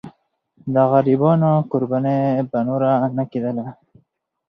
د غریبانو قرباني به نور نه کېدله.